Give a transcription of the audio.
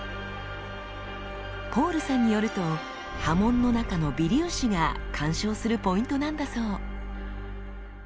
ポールさんによると刃文の中の微粒子が鑑賞するポイントなんだそう。